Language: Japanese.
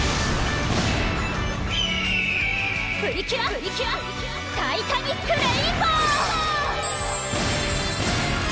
プリキュア・タイタニック・レインボー！